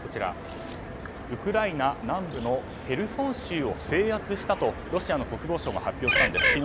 ウクライナ南部のヘルソン州を制圧したとロシアの国防省が発表したんです。